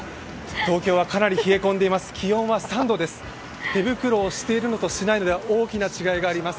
東京はかなり冷え込んでいます。